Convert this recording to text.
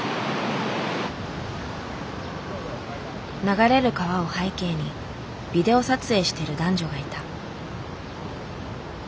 流れる川を背景にビデオ撮影している男女がいた。